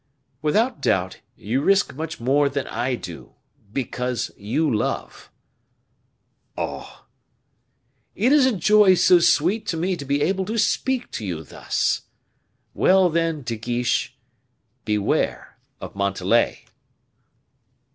"Without doubt you risk much more than I do, because you love." "Oh!" "It is a joy so sweet to me to be able to speak to you thus! Well, then, De Guiche, beware of Montalais."